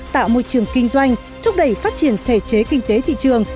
tạo môi trường kinh doanh thúc đẩy phát triển thể chế kinh tế thị trường